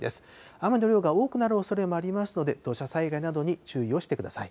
雨の量が多くなるおそれもありますので、土砂災害などに注意をしてください。